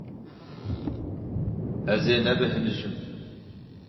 Ez ê nebêhnijim.